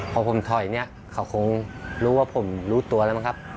พอผมถอยเนี่ยเขาคงรู้ว่าผมรู้ตัวแล้วมั้งครับ